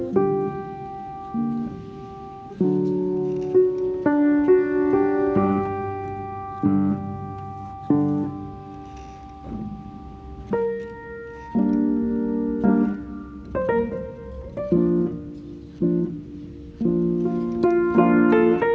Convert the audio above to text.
pak bisa lebih cepat nggak pak